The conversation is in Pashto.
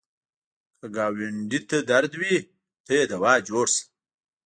که ګاونډي ته درد وي، ته یې دوا جوړ شه